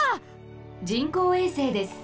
人工衛星です。